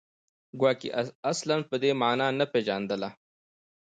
ګواکې اصلاً په دې معنا نه پېژندله